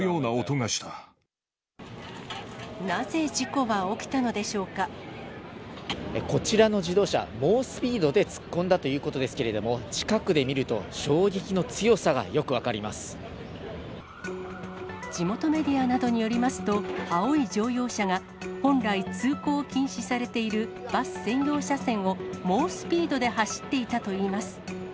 なぜ事故は起きたのでしょうこちらの自動車、猛スピードで突っ込んだということですけれども、近くで見ると、地元メディアなどによりますと、青い乗用車が本来通行を禁止されているバス専用車線を、猛スピードで走っていたといいます。